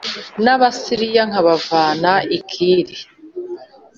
n’Abasiriya nkabavana i Kiri